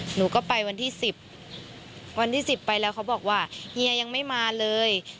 หนูก็ไปวันที่๑๐วันที่๑๐ไปแล้วเขาบอกว่าเฮียยังไม่มาเลย